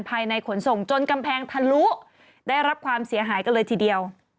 ขนส่งจนกำแพงทะลุได้รับความเสียหายกันเลยทีเดียว